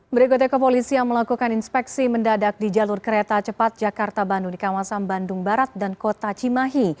berikutnya kepolisian melakukan inspeksi mendadak di jalur kereta cepat jakarta bandung di kawasan bandung barat dan kota cimahi